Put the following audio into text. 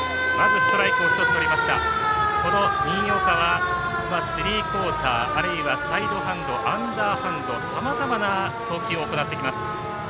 この新岡はスリークオーターあるいはサイドハンド、アンダーハンドさまざまな投球を行ってきます。